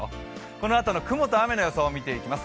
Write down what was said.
このあとの雲と雨の予想を見ていきます。